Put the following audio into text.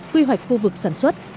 quy hoạch khu vực sản xuất